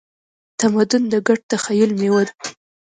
تمدن د ګډ تخیل میوه ده.